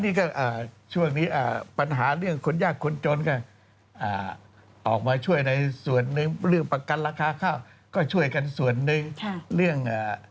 นี่ก็ช่วงนี้ปัญหาเรื่องคนยากคนจนก็ออกมาช่วยในส่วนหนึ่งเรื่องประกันราคาข้าวก็ช่วยกันส่วนหนึ่งเรื่อง